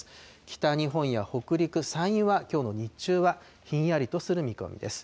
北日本や北陸、山陰は、きょうの日中はひんやりとする見込みです。